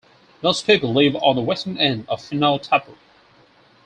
Most people live on the western end of Fenua Tapu.